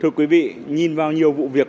thưa quý vị nhìn vào nhiều vụ việc